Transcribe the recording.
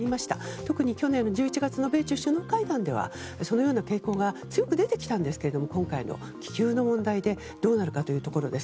特に去年の１１月の米中首脳会談ではそのような傾向が強く出てきたんですけども今回の気球の問題でどうなるかというところです。